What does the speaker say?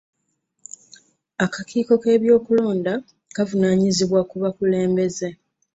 Akakiiko k'ebyokulonda kavunaanyizibwa ku bakulembeze.